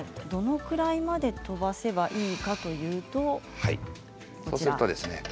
どれぐらいまで飛ばせばいいかというと、こちらですね。